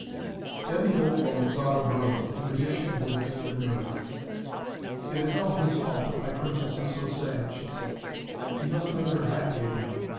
Then the old woman thought of Merlin, the magician who had made the mirror. 'It is all his fault that my princess is so sad,' she said; 'he must make her happy again.'